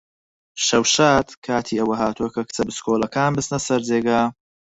شەو شاد! کاتی ئەوە هاتووە کە کچە بچکۆڵەکەکان بچنە سەر جێگا.